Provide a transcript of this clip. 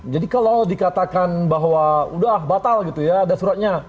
jadi kalau dikatakan bahwa udah batal gitu ya ada suratnya